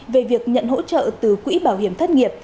về việc nhận hỗ trợ từ quỹ bảo hiểm thất nghiệp